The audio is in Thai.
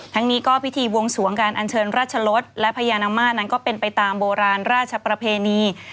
นี้ก็พิธีบวงสวงการอัญเชิญราชลดและพญานาคนั้นก็เป็นไปตามโบราณราชประเพณี